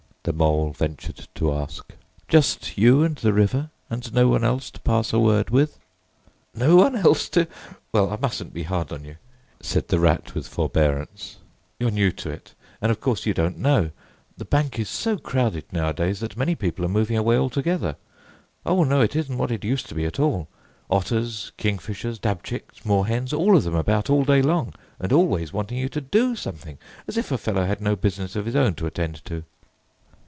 the Mole ventured to ask. "Just you and the river, and no one else to pass a word with?" "No one else to—well, I mustn't be hard on you," said the Rat with forbearance. "You're new to it, and of course you don't know. The bank is so crowded nowadays that many people are moving away altogether: O no, it isn't what it used to be, at all. Otters, kingfishers, dabchicks, moorhens, all of them about all day long and always wanting you to do something—as if a fellow had no business of his own to attend to!"